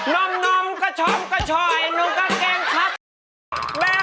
น้อมน้อมกระช้อมกระช่อย